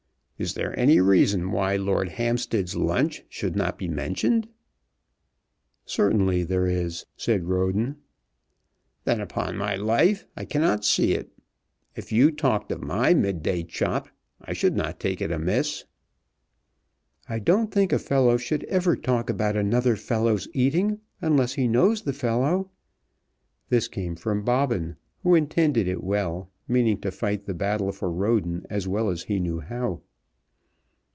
Is there any reason why Lord Hampstead's lunch should not be mentioned?" "Certainly there is," said Roden. "Then, upon my life, I cannot see it. If you talked of my mid day chop I should not take it amiss." "I don't think a fellow should ever talk about another fellow's eating unless he knows the fellow." This came from Bobbin, who intended it well, meaning to fight the battle for Roden as well as he knew how.